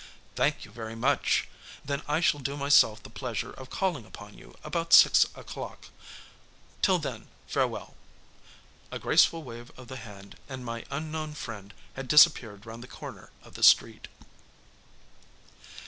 "Thank you very much. Then I shall do myself the pleasure of calling upon you about six o'clock. Till then, farewell!" A graceful wave of the hand, and my unknown friend had disappeared round the corner of the street.